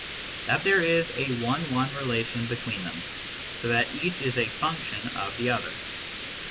that there is a one one relation between them, so that each is a function of the other.